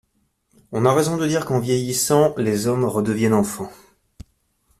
On a raison de dire qu'en vieillissant les hommes redeviennent enfants.